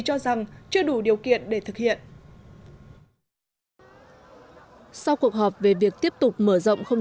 cho rằng chưa đủ điều kiện để thực hiện sau cuộc họp về việc tiếp tục mở rộng không